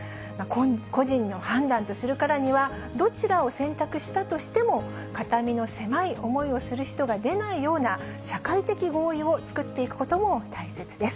個人の判断とするからには、どちらを選択したとしても、肩身の狭い思いをする人が出ないような社会的合意を作っていくことも大切です。